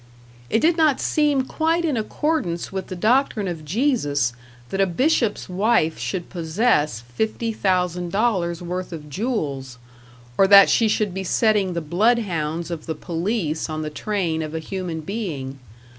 It did not seem quite in accordance with the doctrine of Jesus that a bishop's wife should possess fifty thousand dollars worth of jewels, or that she should be setting the bloodhounds of the police on the train of a human being.